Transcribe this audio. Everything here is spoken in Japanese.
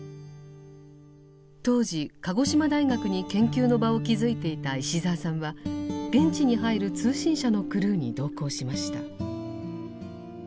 当時鹿児島大学に研究の場を築いていた石澤さんは現地に入る通信社のクルーに同行しました。